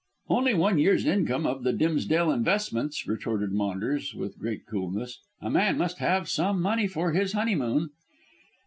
"Only one year's income of the Dimsdale investments," retorted Maunders with great coolness; "a man must have some money for his honeymoon."